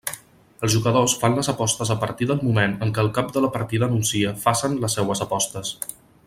Els jugadors fan les apostes a partir del moment en què el cap de la partida anuncia «facen les seues apostes».